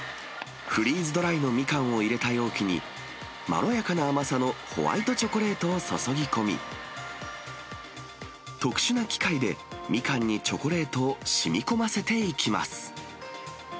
フリーズドライのミカンを入れた容器に、まろやかな甘さのホワイトチョコレートを注ぎ込み、特殊な機械でミカンにチョコレートをしみこませていきます。